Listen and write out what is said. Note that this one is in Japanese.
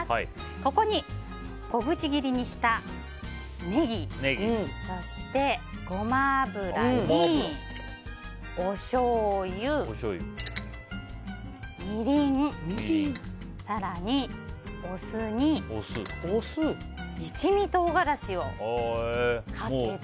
ここに小口切りにしたネギそしてゴマ油に、おしょうゆみりん、更にお酢に一味唐辛子をかけて。